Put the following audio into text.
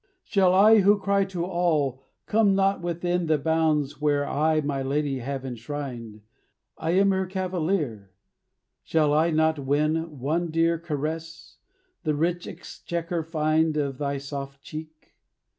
Shall I who cry to all, "Come not within The bounds where I my lady have enshrined; I am her cavalier"; shall I not win One dear caress, the rich exchequer find Of thy soft cheek?